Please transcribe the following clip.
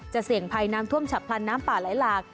เสี่ยงภัยน้ำท่วมฉับพลันน้ำป่าไหลหลาก